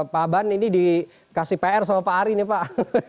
pak aban ini dikasih pr sama pak ari nih pak